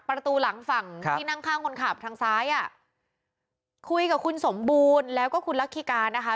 ประตูหลังฝั่งที่นั่งข้างคนขับทางซ้ายอ่ะคุยกับคุณสมบูรณ์แล้วก็คุณลักษิกานะคะ